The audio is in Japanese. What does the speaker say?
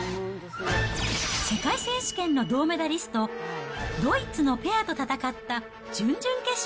世界選手権の銅メダリスト、ドイツのペアと戦った準々決勝。